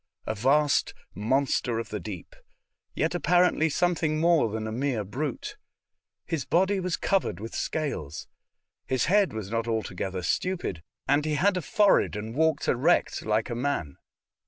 A vast monster of the deep, yet apparently something more than a mere brute. His body was covered with scales. His head was not alto gether stupid, and he had a forehead and walked erect like a man.